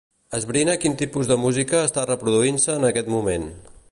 Esbrinar quin tipus de música està reproduint-se en aquest moment.